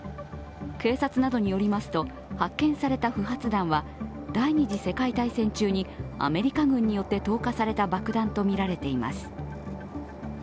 警察などによりますと発見された不発弾は第二次世界大戦中にアメリカ軍によって投下された爆弾とみられています。